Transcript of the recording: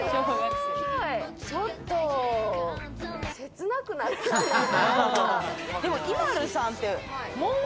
ちょっと切なくなっちゃう。